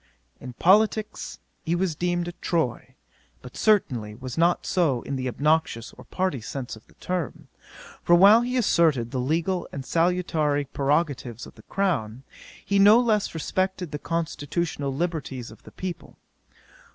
'In politicks he was deemed a Tory, but certainly was not so in the obnoxious or party sense of the term; for while he asserted the legal and salutary prerogatives of the crown, he no less respected the constitutional liberties of the people.